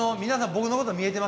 僕のこと見えてます？